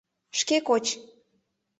— Шке коч!